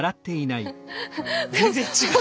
全然違う。